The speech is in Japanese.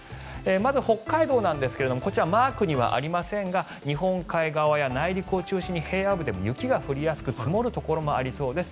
まず北海道なんですがこちら、マークにはありませんが日本海側や内陸を中心に平野部でも雪が降りやすく積もるところもありそうです。